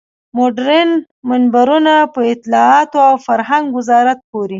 مډرن منبرونه په اطلاعاتو او فرهنګ وزارت پورې.